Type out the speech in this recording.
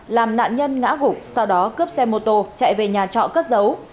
làm nạn nhân ngã gục sau đó cướp xe mô tô chạy về nhà trọ cất dấu